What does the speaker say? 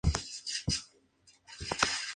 Falleció en Barcelona, en fecha desconocida.